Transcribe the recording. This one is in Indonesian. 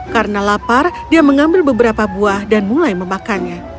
karena lapar dia mengambil beberapa buah dan mulai memakannya